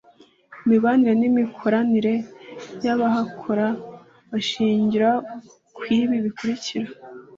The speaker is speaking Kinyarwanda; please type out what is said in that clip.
imibanire n’imikoranire y abahakora bashingira kuri ibi bikurikira.